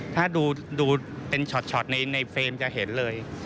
ถ้าดูเป็นช็อตในเฟรมจะเห็นเลย